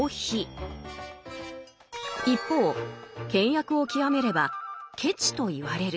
一方倹約を極めれば「ケチ」と言われる。